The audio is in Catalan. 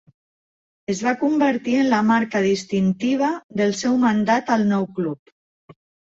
Es va convertir en la marca distintiva del seu mandat al nou club.